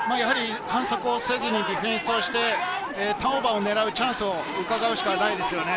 反則をせずにディフェンスをしてターンオーバーを狙うチャンスを伺うしかないですよね。